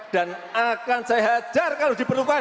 dan akan saya hajar kalau diperlukan